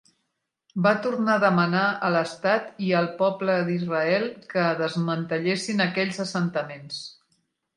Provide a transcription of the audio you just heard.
Va tornar a demanar a l'estat i el poble d'Israel que desmantellessin aquells assentaments.